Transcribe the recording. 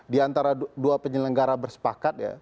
diantara dua penyelenggara bersepakat